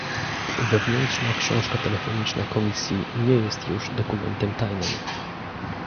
Wewnętrzna książka telefoniczna Komisji nie jest już dokumentem tajnym